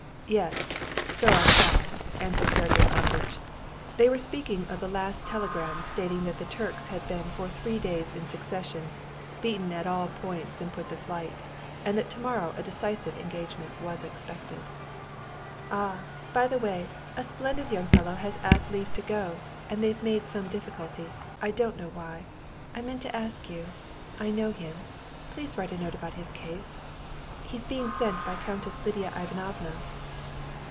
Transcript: "Yes, so I saw," answered Sergey Ivanovitch. They were speaking of the last telegram stating that the Turks had been for three days in succession beaten at all points and put to flight, and that tomorrow a decisive engagement was expected. "Ah, by the way, a splendid young fellow has asked leave to go, and they've made some difficulty, I don't know why. I meant to ask you; I know him; please write a note about his case. He's being sent by Countess Lidia Ivanovna."